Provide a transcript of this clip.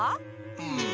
うん。